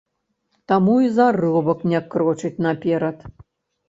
Таму і заробак не крочыць наперад.